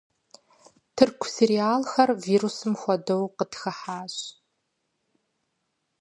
Тырку сериалхэр вирусым хуэдэу къытхыхьащ.